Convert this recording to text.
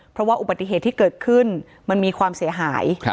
เพราะว่าอุบัติเหตุที่เกิดขึ้นมันมีความเสียหาย